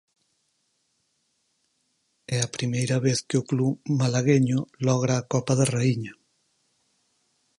E a primeira vez que o club malagueño logra a Copa da Raíña.